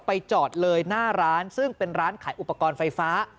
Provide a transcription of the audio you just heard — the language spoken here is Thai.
จอดเลยหน้าร้านซึ่งเป็นร้านขายอุปกรณ์ไฟฟ้า